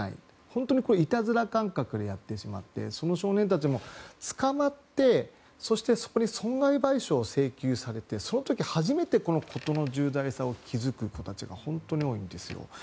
本当にいたずら感覚でやってしまってその少年たちも捕まってそして損害賠償を請求されてその時初めて事の重大さに気づく子たちが本当に多いんです。